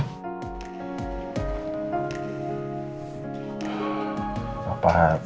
gak enakan ya